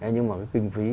nhưng mà cái kinh phí